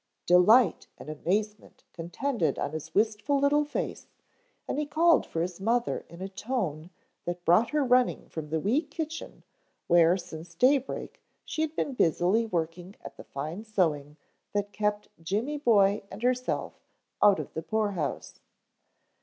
Delight and amazement contended on his wistful little face and he called for his mother in a tone that brought her running from the wee kitchen where since daybreak she had been busily working at the fine sewing that kept Jimmy boy and herself out of the poor house.